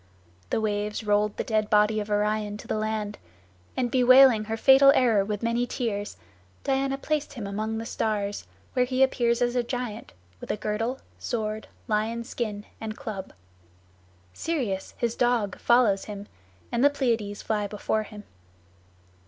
The waves rolled the dead body of Orion to the land, and bewailing her fatal error with many tears, Diana placed him among the stars, where he appears as a giant, with a girdle, sword, lion's skin, and club. Sirius, his dog, follows him, and the Pleiads fly before him.